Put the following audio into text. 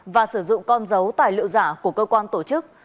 và sử dụng con dấu tài liệu giả của cơ quan tổ chức